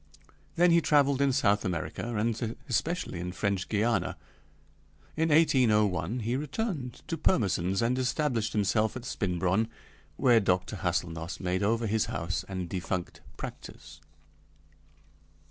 Then he traveled in South America, and especially in French Guiana. In 1801 he returned to Pirmesens, and established himself at Spinbronn, where Dr. Hâselnoss made over his house and defunct practice.